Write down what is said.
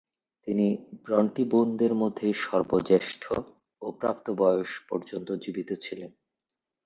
তিনি ব্রন্টি বোনদের মধ্যে সর্বজ্যেষ্ঠ ও প্রাপ্ত বয়স পর্যন্ত জীবিত ছিলেন।